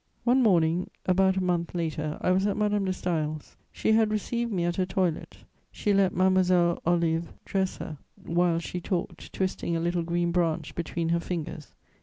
One morning, about a month later, I was at Madame de Staël's; she had received me at her toilet; she let Mademoiselle Olive dress her, while she talked, twisting a little green branch between her fingers.